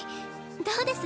どうです？